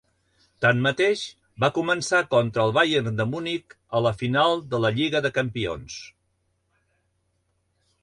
Tanmateix, va començar contra el Bayern de Munic a la final de la Lliga de Campions.